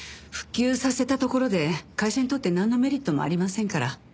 復旧させたところで会社にとってなんのメリットもありませんから。